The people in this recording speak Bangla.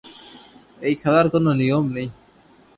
এই খেলার কোন নিয়ম নেই।